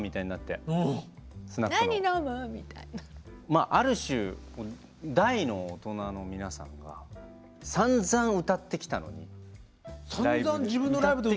まあある種大の大人の皆さんがさんざん歌ってきたのにライブで。